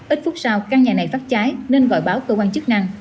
ít phút sau căn nhà này phát cháy nên gọi báo cơ quan chức năng